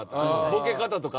ボケ方とか。